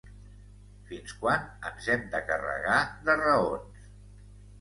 Fins quan ens hem de ‘carregar de raons’?